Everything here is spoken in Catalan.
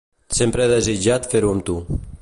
"Sempre he desitjat fer-m'ho amb tu.